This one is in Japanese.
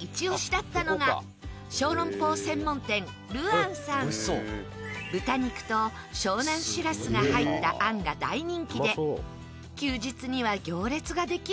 イチ押しだったのが豚肉と湘南しらすが入った餡が大人気で休日には行列ができる事も。